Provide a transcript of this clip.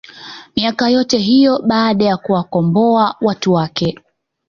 miaka yote hiyo baada ya kuwakomboa watu wake